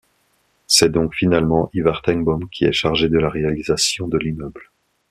C'est donc finalement Ivar Tengbom qui est chargé de la réalisation de l'immeuble.